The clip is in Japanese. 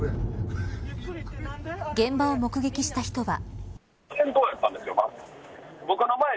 現場を目撃した人は。